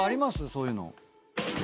そういうの。